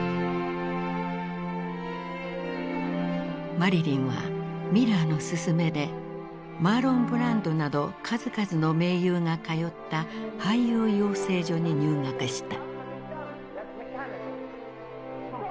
マリリンはミラーのすすめでマーロン・ブランドなど数々の名優が通った俳優養成所に入学した。